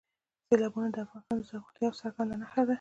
سیلابونه د افغانستان د زرغونتیا یوه څرګنده نښه ده.